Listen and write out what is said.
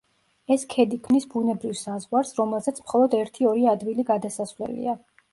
ეს ქედი ქმნის ბუნებრივ საზღვარს, რომელზეც მხოლოდ ერთი-ორი ადვილი გადასასვლელია.